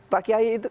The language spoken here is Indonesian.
pak kiai itu